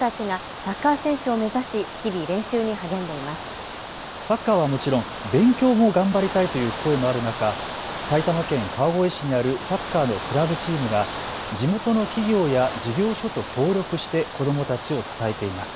サッカーはもちろん勉強も頑張りたいという声もある中、埼玉県川越市にあるサッカーのクラブチームが地元の企業や事業所と協力して子どもたちを支えています。